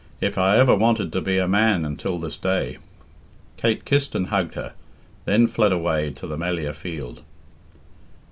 "If I ever wanted to be a man until this day!" Kate kissed and hugged her, then fled away to the Melliah field.